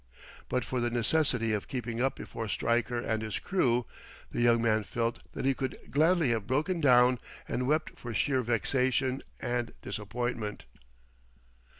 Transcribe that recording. But for the necessity of keeping up before Stryker and his crew, the young man felt that he could gladly have broken down and wept for sheer vexation and disappointment.